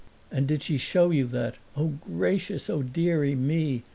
"And did she show you that? Oh, gracious oh, deary me!"